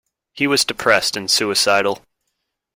He was depressed and suicidal.